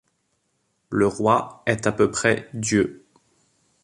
Le roi est à peu près Dieu.